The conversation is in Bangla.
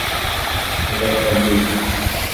এটা একটা ব্রিজ।